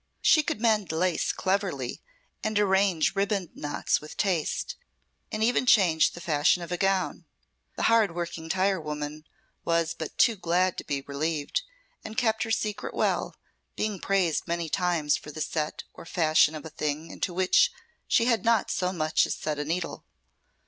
She could mend lace cleverly and arrange riband knots with taste, and even change the fashion of a gown. The hard worked tirewoman was but too glad to be relieved, and kept her secret well, being praised many times for the set or fashion of a thing into which she had not so much as set a needle.